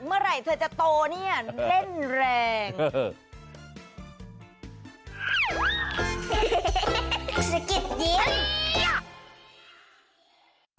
เมื่อไหร่เธอจะโตเนี่ยเล่นแรง